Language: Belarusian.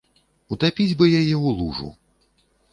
Утапіць бы яе ў лужу.